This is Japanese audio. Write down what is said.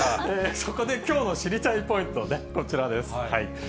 そこで、きょうの知りたいポイント、こちらです。